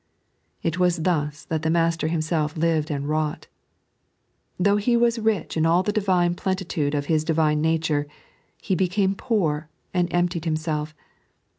It was thus that the Master Himself lived and wrought. Though He was rich in aU the Divine plenitude of His Divine nature, "He became poor," "and emptied Himself."